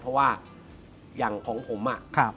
เพราะว่าคุณคุณแค่ผม